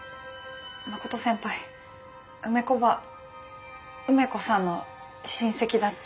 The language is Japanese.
真琴先輩梅子ばぁ梅子さんの親戚だって。